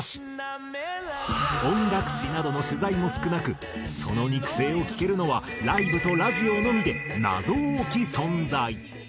音楽誌などの取材も少なくその肉声を聞けるのはライブとラジオのみで謎多き存在。